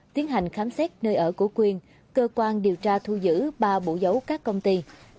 tiến hành khám xét nơi ở của quyền cơ quan điều tra thu giữ ba bộ dấu các công ty